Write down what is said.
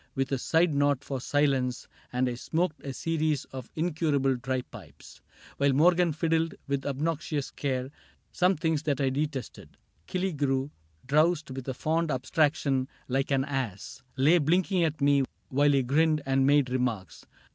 With a side nod for silence, and I smoked A series of incurable dry pipes While Morgan fiddled, with obnoxious care. Some things that I detested. — Killigrew, Drowsed with a fond abstraction, like an ass. Lay blinking at me while he grinned and made Remarks.